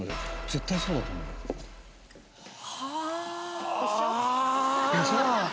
絶対そうだと思う。はあ！